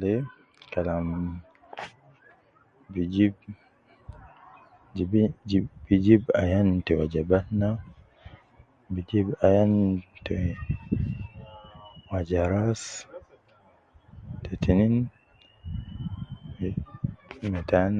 Lee kalam bijib jibin jib bijib ayan te waja batna, bijib ayan te waja rasu, te tinin bee fii metan